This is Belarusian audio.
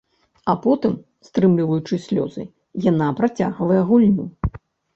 А потым, стрымліваючы слёзы, яна працягвае гульню.